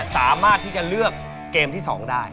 สามารถที่จะเลือกเกมที่๒ได้